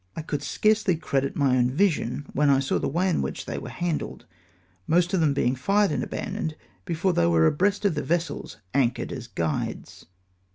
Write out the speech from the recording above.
I could scarcely credit my own vision when I saw the way in which they were handled ; most of them being fired and abandoned before they were abreast of the vessels anchored as guides.